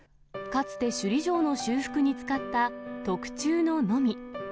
かつて首里城の修復に使った、特注ののみ。